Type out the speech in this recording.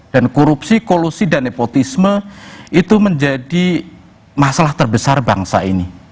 dan korupsi kolusi dan nepotisme itu menjadi masalah terbesar bangsa ini